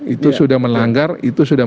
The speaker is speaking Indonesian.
itu sudah melanggar itu sudah